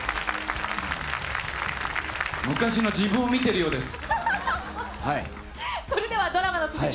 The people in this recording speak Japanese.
昔の自分を見ているようです。